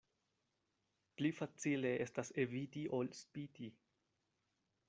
Pli facile estas eviti ol spiti.